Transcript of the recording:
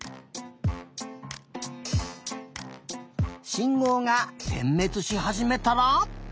しんごうがてんめつしはじめたら？